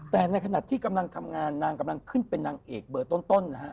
แต่ในขณะที่กำลังทำงานนางกำลังขึ้นเป็นนางเอกเบอร์ต้นนะฮะ